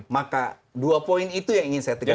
maka dua poin itu yang ingin saya tegas